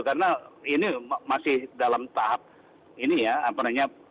karena ini masih dalam tahap ini ya